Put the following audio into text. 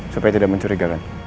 supaya tidak mencuriga kan